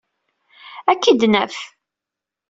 Ad k-id-naf.